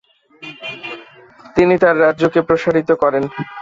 তিনি তার রাজ্যকে প্রসারিত করেন।